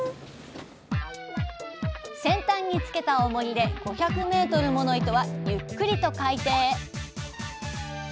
先端につけたおもりで５００ｍもの糸はゆっくりと海底へ。